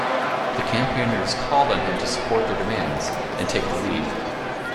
The campaigners called on him to support their demands and take the lead.